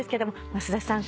増田さん